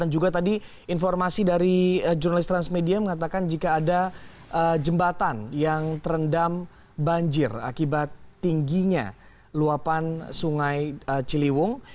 juga tadi informasi dari jurnalis transmedia mengatakan jika ada jembatan yang terendam banjir akibat tingginya luapan sungai ciliwung